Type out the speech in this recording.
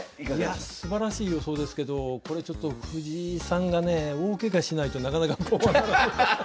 いやすばらしい予想ですけどこれちょっと藤井さんがね大ケガしないとなかなかこうはならない。